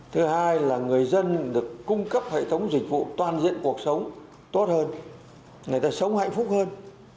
thứ hai là người dân được cung cấp hệ thống dịch vụ toàn diện cuộc sống tốt hơn người ta sống hạnh phúc hơn